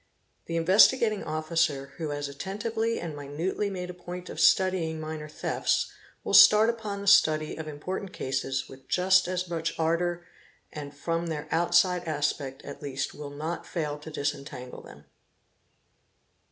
The Investigating Officer who has attentively and minutely made a point of studying minor thefts, will start upon the study of important cases with just as much ardour and from their outside aspect at least will not fail to disentangle them.